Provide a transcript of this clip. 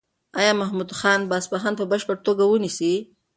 ایا محمود خان به اصفهان په بشپړه توګه ونیسي؟